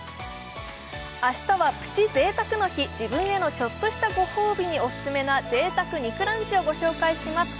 明日はプチ贅沢の日自分へのちょっとしたご褒美にオススメな贅沢肉ランチをご紹介します